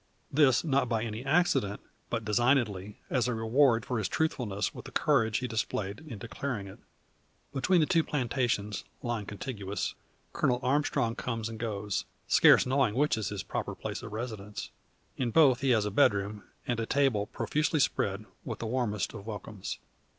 This not by any accident, but designedly; as a reward for his truthfulness, with the courage he displayed in declaring it. Between the two plantations, lying contiguous, Colonel Armstrong comes and goes, scarce knowing which is his proper place of residence. In both he has a bedroom, and a table profusely spread, with the warmest of welcomes.